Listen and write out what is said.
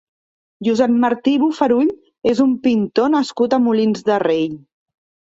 Josep Martí i Bofarull és un pintor nascut a Molins de Rei.